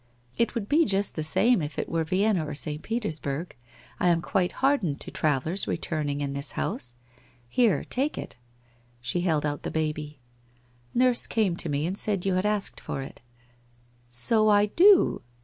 It would be just the same if it were Vienna or St. Petersburg. I am quite hardened to travellers returned in this house. Here, take it/ She held out the baby. * Nurse came to me and said you had asked for it/ ' So I do.